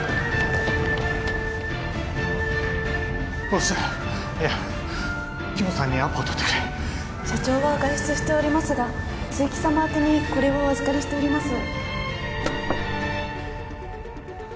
ボスいや御木本さんにアポを取ってくれ社長は外出しておりますが露木様宛にこれをお預かりしております